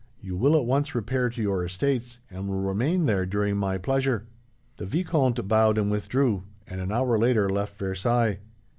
You will at once repair to your estates, and will remain there during my pleasure.' "The vicomte bowed and withdrew, and, an hour later, left Versailles.